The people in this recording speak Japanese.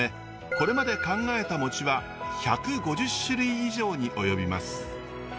これまで考えた餅は１５０種類以上に及びます。